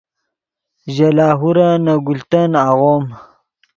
ژے لاہورن نے گلتن آغوم